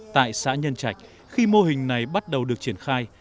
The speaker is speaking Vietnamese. tại xã nhân trạch khi mô hình này bắt đầu được triển khai